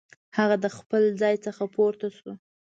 هغه د خپل ځای څخه پورته شو.